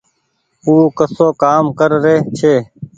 او ڪسو ڪآم ڪرري ڇي